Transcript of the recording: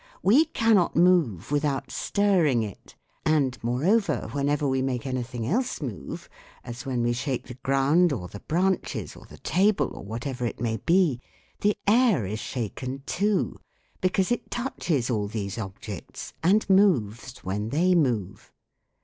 We cannot move without stirring it ; and, more Over, whenever we make anything else move, as when we shake the ground or the branches or the 2 THE WORLD OF SOUND table or whatever it may be, the air is shaken too because it touches all these objects and moves when they move.